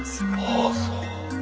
ああそう。